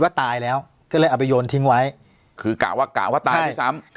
ตายแล้วก็เลยเอาไปโยนทิ้งไว้คือกะว่ากะว่าตายด้วยซ้ำ